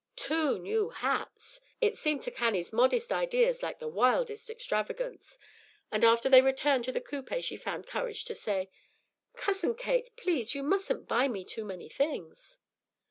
Two new hats! It seemed to Cannie's modest ideas like the wildest extravagance; and after they returned to the coupé she found courage to say, "Cousin Kate, please, you mustn't buy me too many things."